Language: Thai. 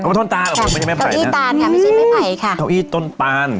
ก้าวอี้ต้นตานค่ะไม่ใช่ไม่ไผ่ค่ะก้าวอี้ต้นตาน